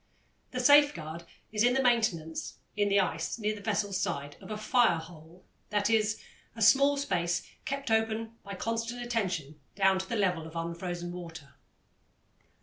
The safeguard is the maintenance, in the ice near the vessel's side, of a "fire hole," that is, a small space kept open by constant attention down to the level of unfrozen water.